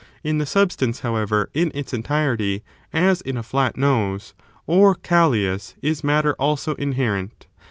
In the substance, however, in its entirety, as in a flat nose, or Callias, is matter also inherent.